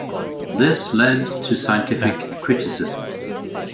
This led to scientific criticism.